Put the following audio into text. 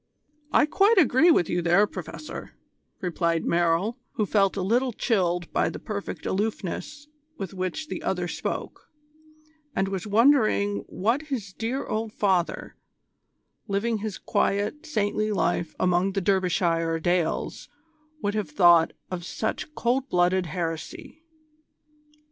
"I quite agree with you there, Professor," replied Merrill, who felt a little chilled by the perfect aloofness with which the other spoke, and was wondering what his dear old father, living his quiet, saintly life among the Derbyshire dales, would have thought of such cold blooded heresy.